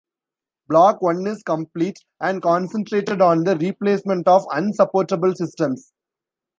Block I is complete and concentrated on the replacement of unsupportable systems.